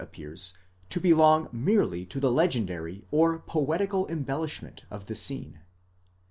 appears to belong merely to the legendary or poetical embellishment of the scene.